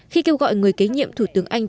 khi kêu gọi người kế nhiệm thủ tướng anh